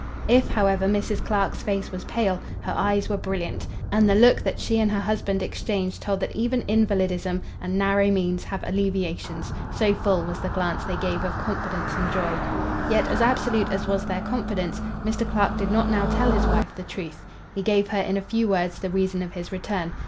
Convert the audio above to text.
If, however, Mrs. Clark's face was pale, her eyes were brilliant, and the look that she and her husband exchanged told that even invalidism and narrow means have alleviations, so full was the glance they gave of confidence and joy. Yet, as absolute as was their confidence, Mr. Clark did not now tell his wife the truth. He gave her in a few words the reason of his return.